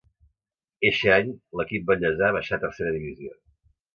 Eixe any, l'equip vallesà baixa a Tercera Divisió.